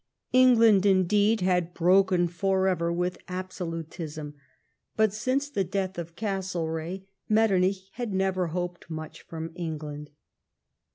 England, indeed, had broken for ever with absolutism ; but, since the death of Castlereagh, jMetternich had never hoped much from England.